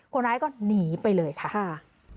คนร้ายก็หนีไปเลยค่ะ